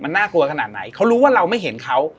น่ากลัวขนาดไหนเขารู้ว่าเราไม่เห็นเขา